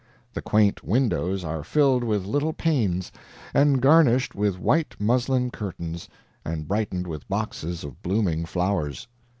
The quaint windows are filled with little panes, and garnished with white muslin curtains, and brightened with boxes of blooming flowers.